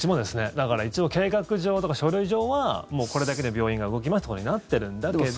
だから一応、計画上とか書類上はもうこれだけで病院が動きますということになってるんだけど。